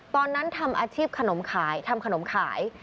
ตอนนั้นทำอาชีพขนมขายทำขนมขาย